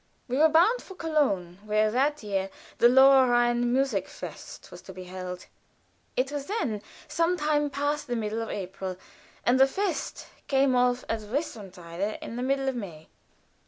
We were bound for Cologne, where that year the Lower Rhine Musikfest was to be held. It was then somewhat past the middle of April, and the fest came off at Whitsuntide, in the middle of May.